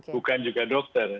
bukan juga dokter